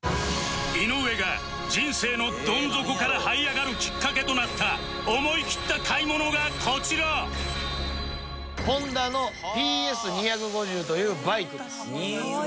井上が人生のどん底からはい上がるきっかけとなった思いきった買い物がこちらというバイクです。